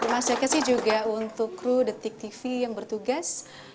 terima kasih juga untuk kru detik tv yang bertugas